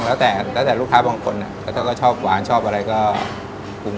กลับมาสืบสาวเราเส้นที่ย่านบังคุณนอนเก็นต่อค่ะจะอร่อยเด็ดแค่ไหนให้เฮียเขาไปพิสูจน์กัน